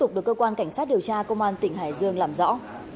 cơ quan cảnh sát điều tra công an tỉnh hải dương làm rõ